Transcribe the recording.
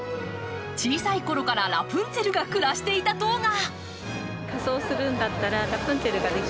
小さいころからラプンツェルが暮らしていた塔が。